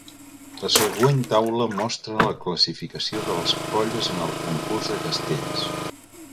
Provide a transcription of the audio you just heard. La següent taula mostra la classificació de les colles en el concurs de castells.